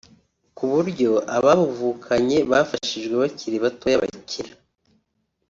ku buryo ababuvukanye bafashijwe bakiri batoya bakira